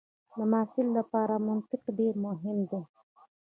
د محصل لپاره منطق ډېر مهم دی.